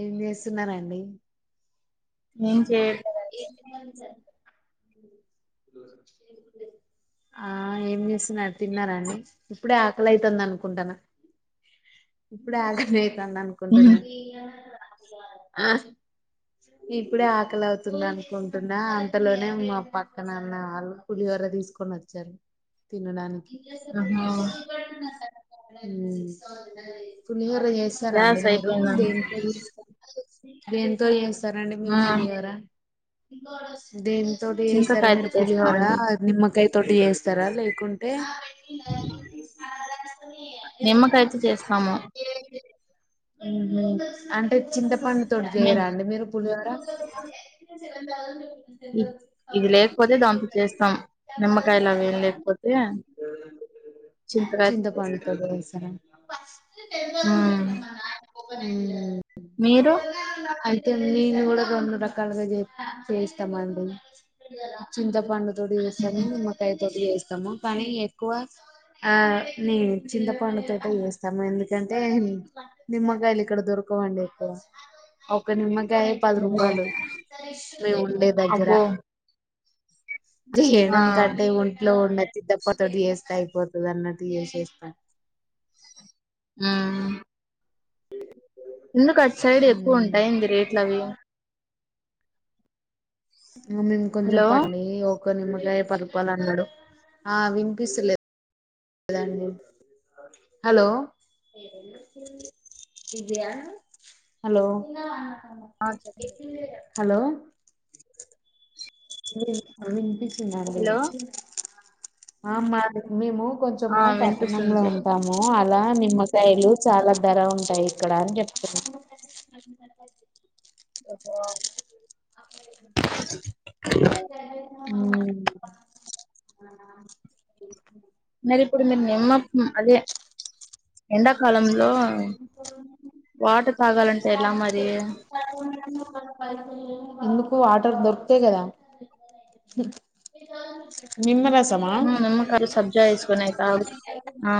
ఏం చేస్తున్నారండి ఏం చేయట్లేదు ఏ మంత [inaudible] ఆ ఏం చేసునారు తిన్నారా అండి ఇప్పుడే ఆకలి అయితుంది అనుకుంటన ఇప్పుడే ఆకలి అయి తదనుకుంటున్న ఆ ఇప్పుడే ఆకలి అవుతుంది అనుకుంటున్నా అంతలోనే మా పక్కనన్న వాళ్ళు పులిహోర తీసుకొని వచ్చారు తినడానికి ఆహా ఉం ఫులిహార చేస్తారా అండి గ్యాస్ మీరు అయిపోయిందండి దేంట్లో చేస్తారు దేంతో చేస్తారండి ఆ మీరు పులిహారా దేం దేని తోటి చేస్తారు చింతకాయతో మీరు పులిహోర చేస్తామండి నిమ్మకాయ తోటి చేస్తారా లేకుంటే అ అ నిమ్మకాయతో చేస్తాము ఓహ చింత పండుతోటి చేయరా అండి మీరు పులిహోర ఇ ఇది లేకపోతే దాంతో చేస్తాం నిమ్మకాయలు అవేమి లేకపోతే చింతకాయతో చేస్తాం చింతపడుతో చేస్తానండి ఉమ్ మీరు ల్ నేను కూడా రెండు రకాలుగా చేస్తామండి చింతపండు తోటి చేస్తమే నిమ్మకాయ తోడి చేస్త ము పని ఎక్కువ ఆ నే చింతపండుతో చేస్తా మ ఎందుకంటే నిమ్మకాయలు ఇక్కడ దొరకవండి ఎక్కవ ఒక నిమ్మ పది అబ్బో రూపాయలు మేము ఉండే దగ్గర అబ్బో ఆ చేయడం కట్టే ఒంట్లో ఉండదు చిత్తప్పత టీ వేస్తా అయిపోతుంది అన్నట్టు చేసేస్తా ఆ ఎందుకు అట్ సైడ్ ఎక్కువ ఉంటాయింది రేట్లు అవి ఆ మేము కొంచెం హలో పండి ఒక నిమ్మకాయ పది రూపాలు అన్నాడు ఆ వినిపిస్తలేదు హలో హలో అ చెప్పండి హలో విన్ హలో ఆ మాది మేము ఆ కొంచము వినిపిస్తుంది పట్టణంలో చెప్పండి ఉంటాము ఇడా నిమ్మకాయలు చాలా ధర ఉంటాయి ఇక్కడ అని చెప్తున్నా బ అ మరి ఇప్పుడు మీరు నిమ్మ అదే ఎండాకాలంలో వాటర్ తాగాలంటే ఎలా మరి అ ఎందుకో దొరుకుతయి కదా మా మామ్ కడ సబ్జా తీసుకున్నది ఆ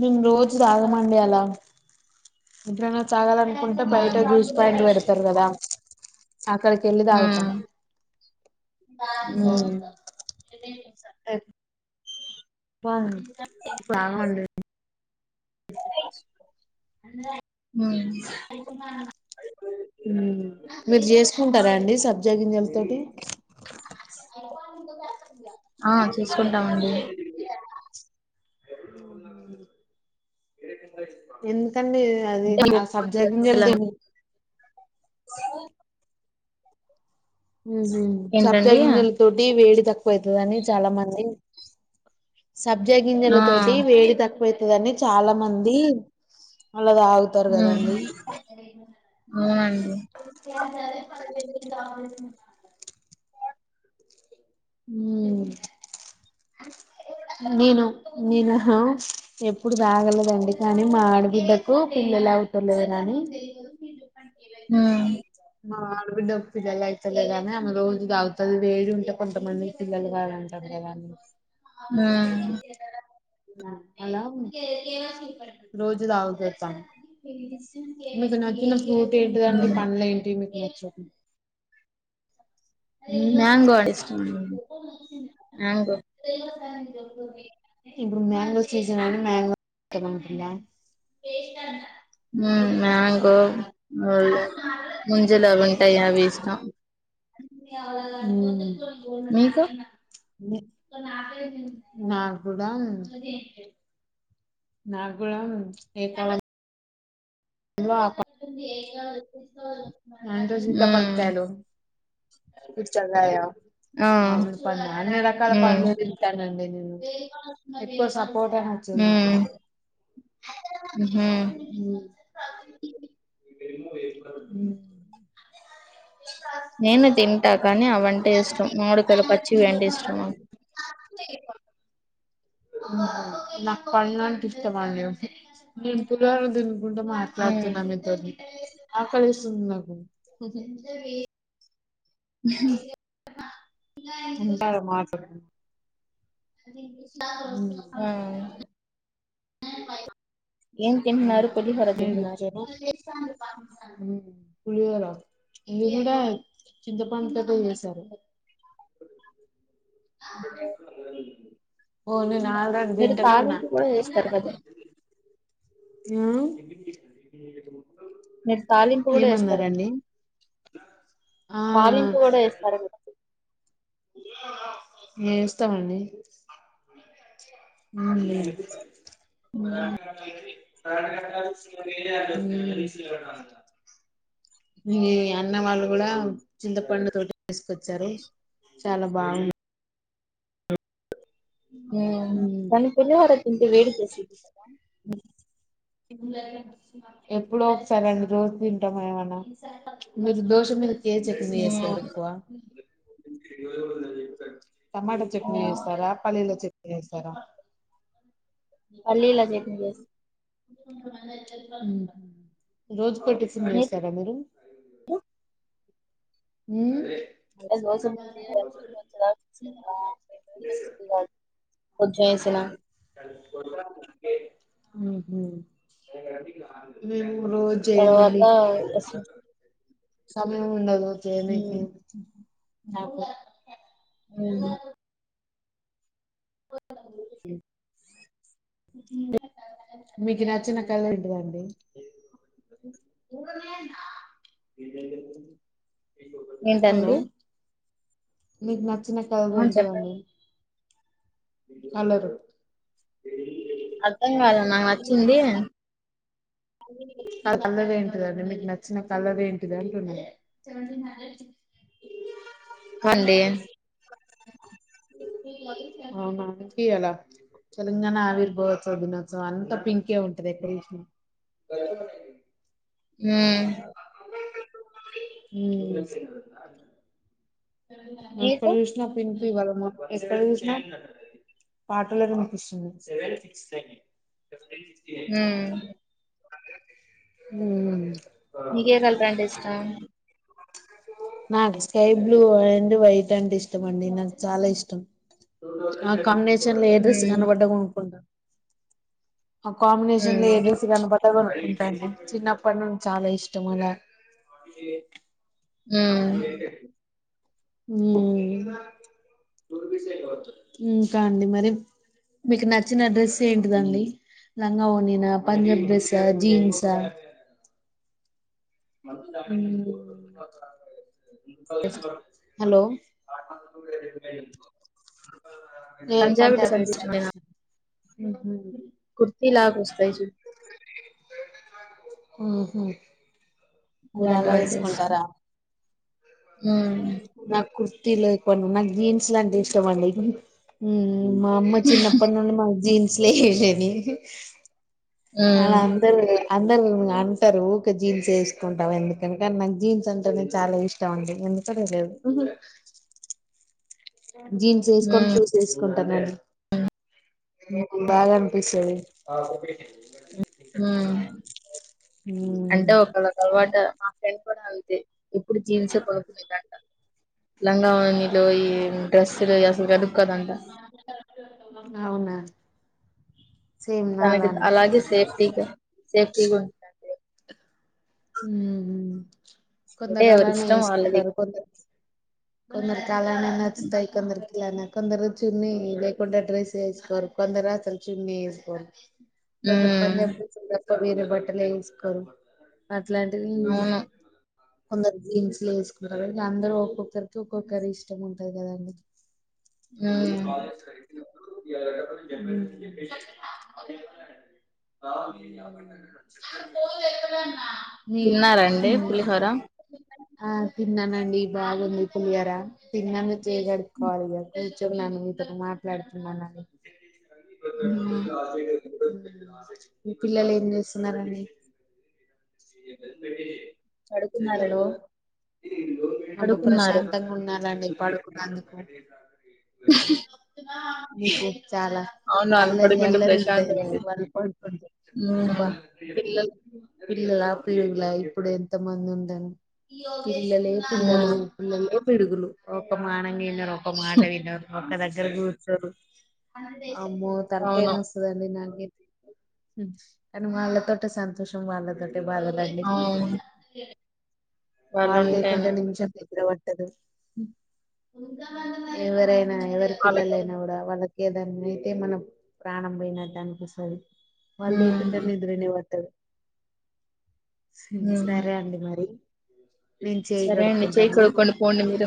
నేను రోజు తాగమండి అలా తాగానుకుంటే బయట ఉమ్ జ్యూస్ పాయింట్ పెడతారు కదా ఆక్కడకి వెలి తగుతం ఉమ్ ఆ ఉమ్ బాగా అ అ ఉమ్ మీరు చేసుకుంటారా అండి చింతగింజల తోటి ఆ చూసుకుంటామండి ఏ అండి అది అంటే ఆ సబ్జ ఒక్కొక్కటి గింజలు తిన్ హలో ఉహూమ్మ్ సబ్జా ఏంటండి గింజలతోటి వేడి త క్కువైతాదని చాలా మంది సబ్జాగింజల ఆ తోటి వేడి తక్కువై తదని చాలా మంది అలా తాగుతారు ఉమ్ కదండి అవునండి ర ప ఉమ్మ్ నేను నేను ఎప్పుడు తాగలేదండి కానీ మా ఆడబిడ్డకు పిల్ల లవుతలేరు అని ఉమ్మ్ మా అడబిడ్డ పిల్లలు అయితలేరనీ ఆమె రోజు తాగుతది వేడి ఉంటే కొంతమంది పిల్లలు కారని అంటారు కదండీ ఉమ్ అలా రోజు తాగుతాది తను మీకు నచ్చిన ఫ్రూట్ ఏంటిదండి పండ్లు ఏంటి మీకు నచ్చిన మ్యాంగో అంటే ఇష్టమండి మ్యాంగో ఇప్పుడు మ్యాంగో సీజన్ అని మ్యాంగో ష్టమంటుందా వస్ినా ఉమ్మ్ మ్యాంగో మళ్లీ ముంజలు అది ఉంటాయి అవిష్టం మీకు ఉమ్మ్ నాకూడా నాగుడా ఎ యెంతో ఉమ్ సీతాఫల్కాయలు పుచ్చకాయ ఆ మామిడి పండ్లు అన్ని రకాల ఉమ్ పండ్లు తింటానండి నే ను ఎప్తోసాప్ పోట నచ్చదు నాకు ఉమ్ ఉహూ ఉమ్మ్ నేను తింటా కానీ అవంటే ఇష్టం మామిడికాయలు పచ్చివి అంటే ఇష్టం ప్ప మ్మ్ఉహ్మ్ నాకు పండ్లు అంటే ఇష్టమండి నేను పులిహోర తినుకుంటా ఉమ్ మాట్లాడుతున్న మీతోటి ఆకలేస్తుంది నాకు స ఉంటాలే [unintelligible] ఉమ్మ్ ఆ ప ఏం ఉమ్మ్ తింటున్నారు పులిహోర తింటున్నారు నేదిచేపా ఉమ్మ్ పులిహోర ఇది కూడా చింతపండు తోటే చేశారు ఓ నాల్దది మీరు తింటనే ఉన్నా తాలింపు కూడా చేస్తారు కదా ఆహ్ మీరు తాలింపు కూడా ఎస్తారు కదా ఆ తాలింపు కూడా ఎస్తారు కదా ఏస్తామండి ఉమ్మ్ ఉమ్మ్ మీ అన్న వాళ్ళు కూడా చింతపండు తోటే చేసుకొచ్చారు చాలా బాగుంది ఊమ్ కొన్ని పులిహోరా తింటే వేడి చేసి [inaudible] ఎప్పుడో ఒకసారండి రోజు తింటాం ఏమన్నా మీరు దోష మీద తేజకు ఎందుకు వేసారు ఉమ్ ఎక్కువ టమాటా ఆ చట్నీ వేస్తారా పలీల చట్నీ వేసారా పల్లీల చట్నీ రోజు కొ టిఫన్ చేస్తారా మీరు ఊమ్ దోస వద [inaudible] వచ్చేసిన హు హుమ్ రోజు తర్వాత చేయమండి వేసిన. సమయము ఉండదు చేయనికి ఉమ్ ఊమ్ [inaudible] మీకు నచ్చిన కలర్ ఏంటిదండి హలో ఏంటండి మీకు నచ్చిన కలర్ ఆ చెప్పండి ఏంటిదండి కలరు అర్థం కాల నాకు నచ్చింది కలర్ ఏంటిదండి మీకు నచ్చిన కలర్ ఏంటిది అంటున్నాను కండి అలాజేసి [inaudible] అవునఇయ్యలా తెలంగాణ ఆవిర్భవోత్సవ దినోత్సవం అంతా పింకే ఉంటది ఎక్కడ జూసిన బైటో నైటి మూ.. హు.. ఎక్కడ నీకు జూసినా పింక్ ఇవ్వాల మొత్ ఎక్కడ జూసిన పాటలను ఉమ్.. ఉ... మ్ మీకేకలర్ అంటే ఇష్టం నాకు స్కైబ్లూ అండ్ వైట్ అంటే ఇష్టమండి నాకు చాలా ఇష్టం ఆ కాంబినేషన్ల ఏడ్రెస్ మ్మ్ కనబడ్డ కొనుకుంటాం ఆ కాంబినేషన్ల మ్మ్ ఏడ్రెస్ కనబడ్డ కొనుకుంటాం చిన్నప్పటి నుంచ్ చాలా ఇష్టం అలా మ్మ్ మాకువేటేన్సి ఉమ్ ఊకాండి మరి మీకు నచ్చిన డ్రెస్ ఏంటిదండి లంగా ఒోణిన పంజబ్ డ్రెస జీన్సా ఊ.. హలో ఏ పంజాబీ పన్ డ్రెస్ అంటే ఇష్టమేనా [unintelligible] కుర్తి లాగు స్ర్టైజెయ్ మ్మ్ హ్మ్ మీరు అలా ఏసుకుంటారా హ్మ్ నాక్ కుర్తిలేక్ పోయిన నాకు జీన్స్ లాంటె ఇష్టం అండి మ్మ్ మా అమ్మ చిన్నప్పటి నుండి మాకు జీన్స్లే ఏసేది అలా మ్మ్ అందర్వి అన్ అందరు అంటరు ఊకే జీన్స్ ఏస్కుంటావ్ ఎందుకని కాని నాక్ జీన్స్ అంటేనే చాలా ఇష్టం అండి ఎంద్ మ్మ్ హ్మ్ జీన్స్ ఏసుకొని మ్మ్ షూస్ ఏసుకుంటానండి బాగా అనిపిస్తాది ఆ ఒప్పిడికి మ్మ్ అంటే ఒకళ్ళకి అలవాట మా ఫ్రెండ్ కూడా అంతే ఎప్పుడు జీన్సే కొనుకునె ఇంటాంట లంగావోణీలు ఈ డ్రస్సులు అసలు కదు అంట అవునా సేమ్ తనకి నాలానే అలాగే సేఫ్టీగా సేఫ్టీగ్ ఉంటది మ్మ్ అంటే కొందరు ఎవరి అలానే ఇష్టం వాళ్ళది ఏసుకుంటారు కొందర్ కొందరికి అలానే నచ్చుతాయి కొందర్కి ఇలానా కొందరు చున్నీ లేకుండా డ్రస్ ఏసుకోరు కొందరు అసలు చున్నీ ఏసుకోరు కొందరు హ్మ్. పంజాబీ డ్రెస్సులు తప్ప వేరే బట్టలే ఏసుకోరు. అట్లాంటిది అవును. కొందరు జీన్స్లు ఏసుకుంటారు అందరూ ఒక్కొక్కరికి ఒక్కొక్కరి ఇష్టం ఉంటది కదండి హ్మ్. [unintelligible] మ్మ్ ఊ నీ తిన్నారండి నువ్వు పులిహోర? ఆ తిన్నానండి బాగుంది పులిగార తిన్నాను చేయగడుకోవాలిగ కూచునాన్ను ఇద్దరు మాట్లాడుతున్నాని హ్మ్. మీ పిల్లలు ఏం జేస్తున్నారండి హలో పడుకున్నారండి. అబ్బ పడుకున్నారు. ప్రశాంతంగ్ ఉన్నా రాండి పడుకునందుకు మీకే చాలా అవును. అలా అల్లరి పడుకుంటే అల్లరి ఉంటది ప్రశాంతంగా ఉండిద్ది. వాళ్ళు పడుకుంటే బ్బా హ్మ్. పిల్లలు పిల్లల పిడుగుల ఇప్పుడు ఎంత మంది ఉందన్ పిల్లలే హ్మ్. పిల్లలు పిల్లలో పిడుగులు ఒక్క మానంగ్ ఇనరు ఒక మాట వినరు ఒక్క దగ్ దగ్గర కూర్చోరు ఆమ్మో తలకాయి అవును. నొస్తదండి నాకే అయి హ్మ్ కనీ వాళ్ళ తోటే సంతోషం వాళ్ళది టే వాళ్ళదండి అవును. వాళ్ళు లేకుంటే వాళ్ళుంటేనే నిమిషం నిద్ర పట్టదు మ్మ్ ఎవరైనా ఎవరి వాళ్ళకు పిల్లలయినా గుడా వాళ్ళక్ ఏదన్ అయితే మనం ప్రాణం బొయినట్ అనిపిస్తది వాళ్ లేకుంటే హ్మ్. నిద్రనే బట్టదు హ్మ్. సరే అండి మరి నేను సరే అండి. చేయి చేయగడుక్కుంటాను కడుక్కోండి పోండి మీరు.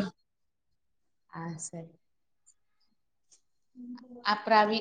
అప్రావి